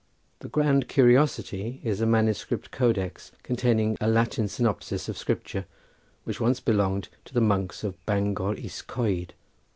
The grand curiosity is a manuscript Codex containing a Latin synopsis of Scripture which once belonged to the monks of Bangor Is Coed.